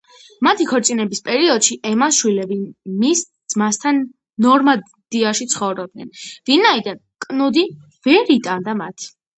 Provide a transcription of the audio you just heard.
მათი ქორწინების პერიოდში ემას შვილები მის ძმასთან, ნორმანდიაში ცხოვრობდნენ, ვინაიდან კნუდი ვერ იტანდა მათ.